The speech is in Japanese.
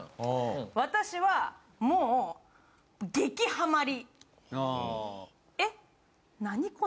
私はもう、激ハマり。